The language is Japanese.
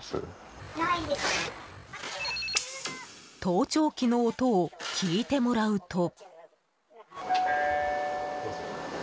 盗聴器の音を聞いてもらうと。